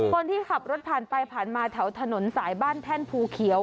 คนที่ขับรถผ่านไปผ่านมาแถวถนนสายบ้านแท่นภูเขียว